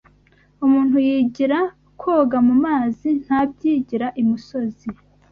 Umuntu yigira koga mu mazi, ntabyigira imusozi